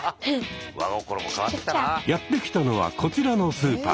やって来たのはこちらのスーパー。